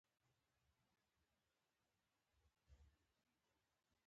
يوازې هغه کسان بل سراى ته ورپرېږدي.